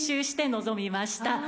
して臨みました。